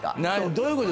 どういうこと？